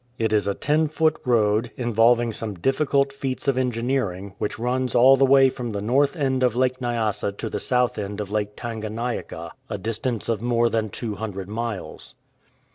It is a ten foot road, involving some difficult feats of en gineering, which runs all the way from the north end of Lake Nyasa to the south end of Lake Tanganyika, a distance of more than two hundred miles.